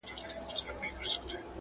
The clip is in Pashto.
د شهید قبر یې هېر دی له جنډیو؛